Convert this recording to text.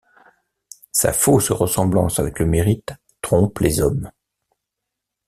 Sa fausse ressemblance avec le mérite trompe les hommes.